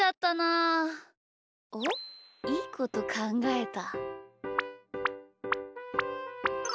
あっいいことかんがえた。